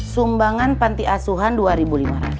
sumbangan panti asuhan rp dua lima ratus